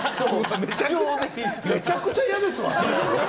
めちゃくちゃ嫌ですわ。